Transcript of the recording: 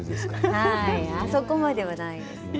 あそこまではないです。